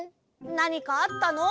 なにかあったの？